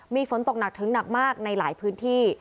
มีฝนตกหนักถึงหนักมากในหลายพื้นที่